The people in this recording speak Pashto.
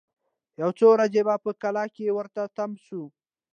یو څو ورځي په کلا کي ورته تم سو